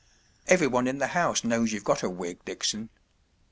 Everyone in the house know s you’ve got a wig, Dickson.